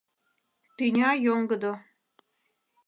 Тӱня йоҥгыдо.